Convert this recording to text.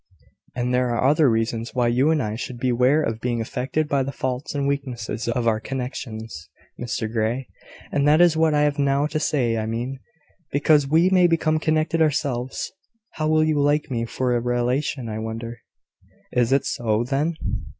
"And there are other reasons why you and I should beware of being affected by the faults and weaknesses of our connections, Mr Grey, and that is what I have now to say. I mean, because we may become connected ourselves. How will you like me for a relation, I wonder." "It is so, then?"